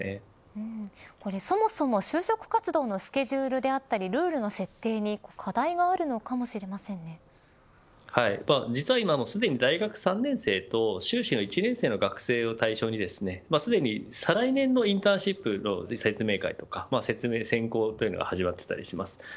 そもそも就職活動のスケジュールであったりルールの設定に実は今すでに大学３年生と修士の１年生の学生を対象にすでに再来年のインターンシップの説明会とか説明先行というのが始まっていたりします。